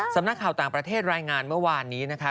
สำนักข่าวต่างประเทศรายงานเมื่อวานนี้นะคะ